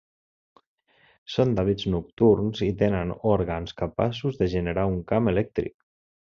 Són d'hàbits nocturns i tenen òrgans capaços de generar un camp elèctric.